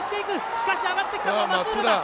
しかし、上がってきたのは松浦！